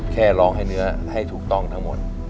แค่ร้องให้เนื้อให้ถูกต้องทั้งหมด